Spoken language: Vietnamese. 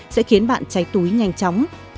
sẽ khiến bạn trái túi nhanh chóng